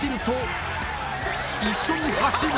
［一緒に走る！］